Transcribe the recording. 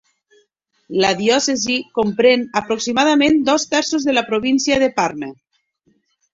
La diòcesi comprèn aproximadament dos terços de la província de Parma.